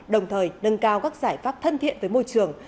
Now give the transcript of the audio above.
đồng thời nâng cao các giải pháp thân thiện với môi trường